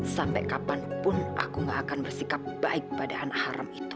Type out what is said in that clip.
sampai kapanpun aku gak akan bersikap baik pada anak haram itu